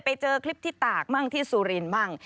ไปเจอคลิปที่ตากมั่งที่สุรินทร์มั่ง